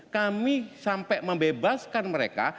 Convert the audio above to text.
kami sampai membebaskan mereka